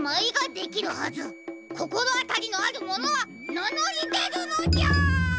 こころあたりのあるものはなのりでるのじゃ！